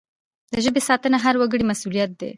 د ژبي ساتنه د هر وګړي مسؤلیت دی.